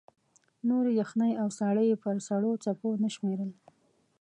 نورې یخنۍ او ساړه یې پر سړو څپو نه شمېرل.